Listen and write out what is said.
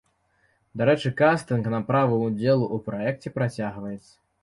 Дарэчы кастынг на права ўдзелу ў праекце працягваецца.